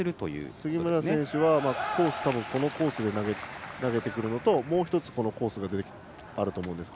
杉村選手はこのコースで多分投げてくるのともう１つのコースがあると思いますが。